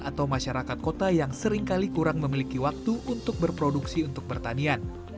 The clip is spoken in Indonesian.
atau masyarakat kota yang seringkali kurang memiliki waktu untuk berproduksi untuk pertanian